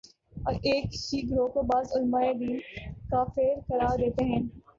کہ ایک ہی گروہ کو بعض علماے دین کافر قرار دیتے ہیں